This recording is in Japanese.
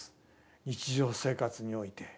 日常生活において。